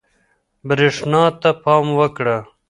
برېښنا ته پام وکړه.